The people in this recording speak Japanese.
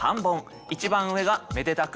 一番上がめでたく